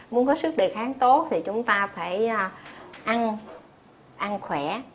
muốn có sức đề kháng tốt thì chúng ta phải ăn ăn khỏe